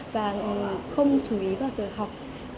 và không chú ý vào giờ học